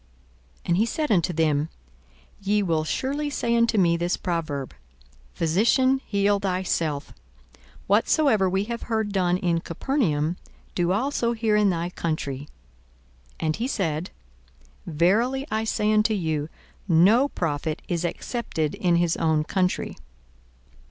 42:004:023 And he said unto them, Ye will surely say unto me this proverb, Physician, heal thyself: whatsoever we have heard done in Capernaum, do also here in thy country. 42:004:024 And he said, Verily I say unto you, No prophet is accepted in his own country.